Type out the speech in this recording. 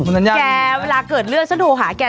แกเวลาเกิดเรื่องฉันโทรหาแก